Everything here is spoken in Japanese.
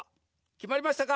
きまりましたか？